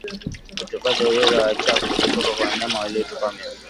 Utupwaji holela wa uchafu kutoka kwa wanyama waliotupa mimba